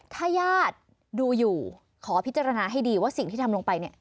ถ้าญาติดูอยู่ขอพิจารณาให้ดีว่าสิ่งที่ทำลงไปเนี่ย